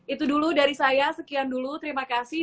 itu dulu dari saya sekian dulu terima kasih